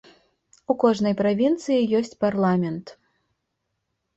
У кожнай правінцыі ёсць парламент.